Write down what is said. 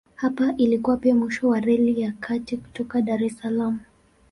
Hapa ilikuwa pia mwisho wa Reli ya Kati kutoka Dar es Salaam.